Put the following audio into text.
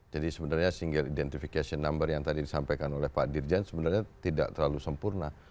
jadi sebenarnya single identification number yang tadi disampaikan oleh pak dirjan sebenarnya tidak terlalu sempurna